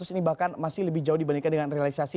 ini bahkan masih lebih jauh dibandingkan dengan realisasi